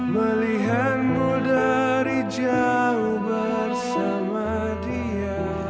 melihatmu dari jauh bersama dia